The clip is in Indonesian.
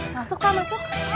masuk pak masuk